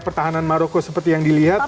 pertahanan maroko seperti yang dilihat